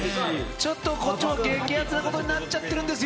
ちょっとこっちも激アツに今年なっちゃってるんですよ。